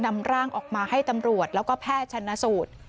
นำร่างออกมาให้ตำรวจแล้วก็แพทย์ชันสูตร